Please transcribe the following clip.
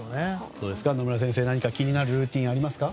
どうですか、野村先生気になるルーティンありますか。